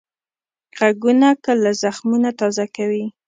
غږونه کله زخمونه تازه کوي